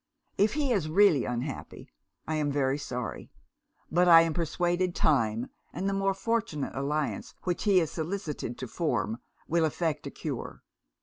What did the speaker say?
If he is really unhappy, I am very sorry; but I am persuaded time, and the more fortunate alliance which he is solicited to form, will effect a cure.